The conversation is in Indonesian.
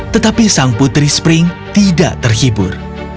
tetapi sang putri spring tidak terhibur